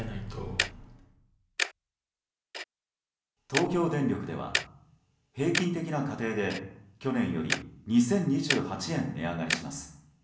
東京電力では平均的な家庭で去年より２０２８円値上がりします。